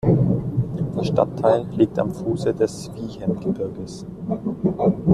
Der Stadtteil liegt am Fuße des Wiehengebirges.